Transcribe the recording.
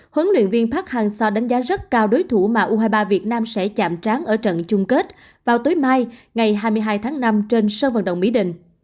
huấn luyện viên park hang seo đánh giá rất cao đối thủ mà u hai mươi ba việt nam sẽ chạm tráng ở trận chung kết vào tối mai ngày hai mươi hai tháng năm trên sân vận động mỹ đình